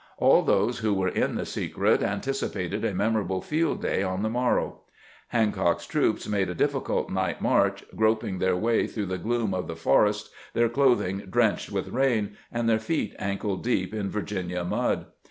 All those who were in the se cret anticipated a memorable field day on the morrow. Hancock's troops made a difficult night march, grop ing their way through the gloom of the forests, their clothing drenched with rain, and their feet ankle deep in Virginia mud.